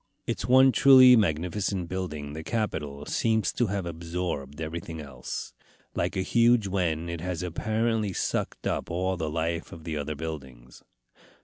Its one truly magnificent building, the Capitol, seems to have absorbed everything else. Like a huge wen, it has apparently sucked up all the life of the other buildings.